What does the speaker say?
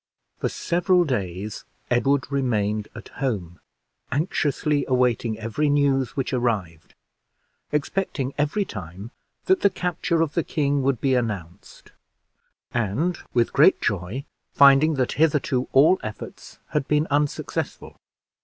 For several days Edward remained at home, anxiously awaiting every news which arrived; expecting every time that the capture of the king would be announced, and, with great joy, finding that hitherto all efforts had been unsuccessful.